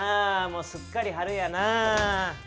もうすっかり春やな。